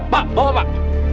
pak bawa pak